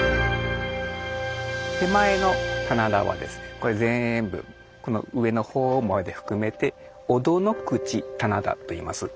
これぜんぶこの上のほうまで含めて「尾戸の口棚田」といいます。